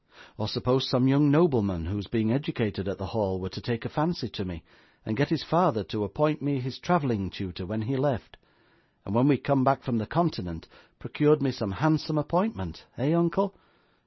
'Or suppose some young nobleman who is being educated at the Hall, were to take a fancy to me, and get his father to appoint me his travelling tutor when he left, and when we come back from the continent, procured me some handsome appointment. Eh! uncle?